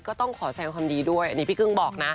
ก็ต้องขอแสงความดีด้วยอันนี้พี่กึ้งบอกนะ